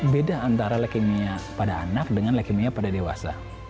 beda antara leukemia pada anak dengan leukemia pada dewasa